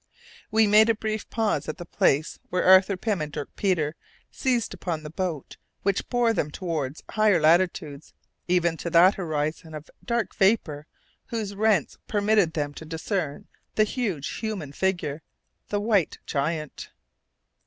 We made a brief pause at the place where Arthur Pym and Dirk Peters seized upon the boat which bore them towards higher latitudes, even to that horizon of dark vapour whose rents permitted them to discern the huge human figure, the white giant.